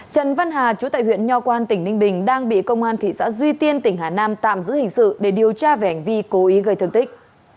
trần văn hà chú tại huyện nho quan tỉnh ninh bình đang bị công an thị xã duy tiên tỉnh hà nam tạm giữ hình sự để điều tra về hành vi cố ý gây thương tích